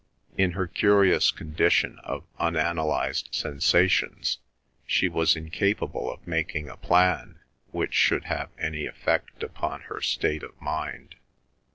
In her curious condition of unanalysed sensations she was incapable of making a plan which should have any effect upon her state of mind.